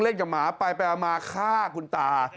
เล่นกับหมาไปไปเอามาฆ่าคุณตา